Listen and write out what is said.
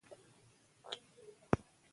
او د هېواد او ولايت په گټه ترې كار واخيستل